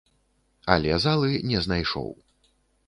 Але залы не знайшоў.